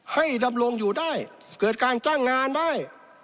ดำรงอยู่ได้เกิดการจ้างงานได้